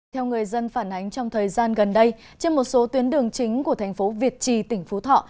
theo người dân phản ánh trong thời gian gần đây trên một số tuyến đường chính của thành phố việt trì tỉnh phú thọ